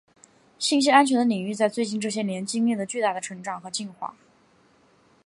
信息安全的领域在最近这些年经历了巨大的成长和进化。